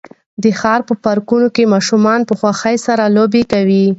د ښار په پارکونو کې ماشومان په خوښۍ سره لوبې کوي.